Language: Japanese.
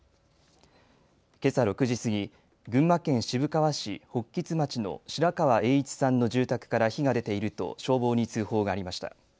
けさ６時過ぎ、群馬県渋川市北橘町の白川英一さんの住宅から火が出ていると消防に通報がありました。